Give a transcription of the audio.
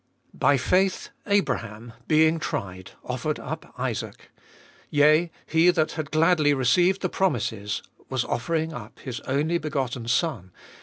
By faith Abraham, being tried, offered up Isaac : yea, he that had gladly received the promises was offering up his only begotten son; 18.